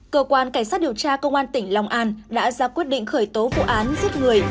cơ quan cảnh sát điều tra công an tỉnh long an đã ra quyết định khởi tố vụ án giết người